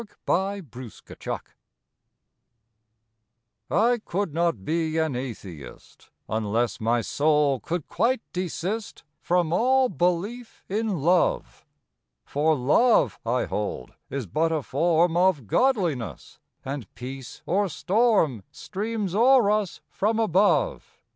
June Third THE PROOF T COULD not be an Atheist Unless my soul could quite desist From all belief in Love; For Love, I hold, is but a form Of Godliness, and peace or storm Streams o er us from above.